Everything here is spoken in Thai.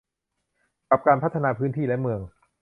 กับการพัฒนาพื้นที่และเมือง